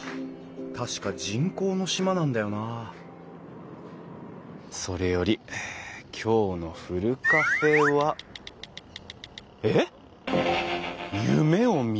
確か人工の島なんだよなそれより今日のふるカフェは。えっ！？